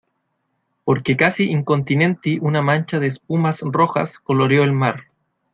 porque casi incontinenti una mancha de espumas rojas coloreó el mar